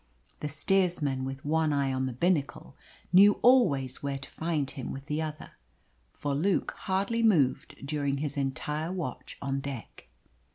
The steersman, with one eye on the binnacle, knew always where to find him with the other; for Luke hardly moved during his entire watch on deck.